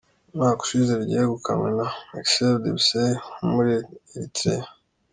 Umwaka ushize ryegukanywe na Mekseb Debesay wo muri Eritrea.